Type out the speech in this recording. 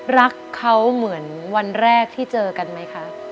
รักเขาเหมือนวันแรกที่เจอกันไหมคะ